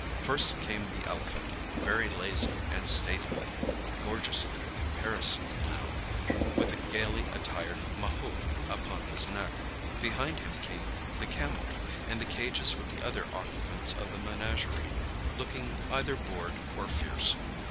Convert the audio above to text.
First came the elephant, very lazy and stately—gorgeously caparisoned now, with a gaily attired "mahout" upon his neck. Behind him came the camel; and the cages with the other occupants of the menagerie, looking either bored or fierce.